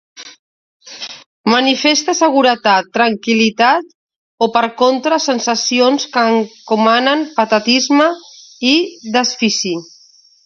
Manifeste seguretat, tranquil·litat o, per contra, sensacions que encomanen patetisme i desfici.